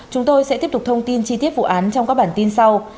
chúng tôi sẽ tiếp tục thông tin chi tiết vụ án trong các bản tin sau